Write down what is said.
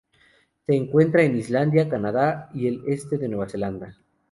Se encuentra en Islandia Canadá y al este de Nueva Zelanda.